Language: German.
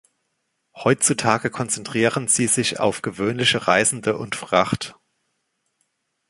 Heutzutage konzentrieren sie sich auf gewöhnliche Reisende und Fracht.